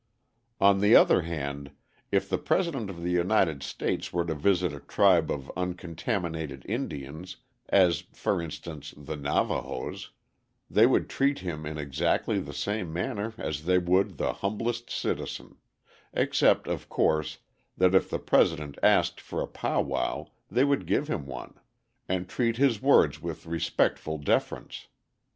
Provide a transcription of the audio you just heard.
] On the other hand, if the President of the United States were to visit a tribe of uncontaminated Indians, as, for instance, the Navahos, they would treat him in exactly the same manner as they would the humblest citizen; except, of course, that if the president asked for a pow wow they would give him one, and treat his words with respectful deference.